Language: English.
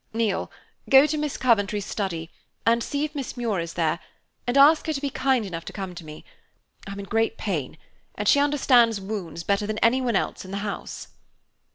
"Neal, go to Miss Coventry's study, and if Miss Muir is there, ask her to be kind enough to come to me. I'm in great pain, and she understand wounds better than anyone else in the house."